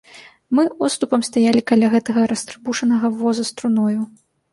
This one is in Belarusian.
Мы оступам стаялі каля гэтага растрыбушанага воза з труною.